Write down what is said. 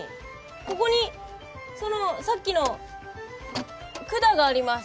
ここにさっきの管があります。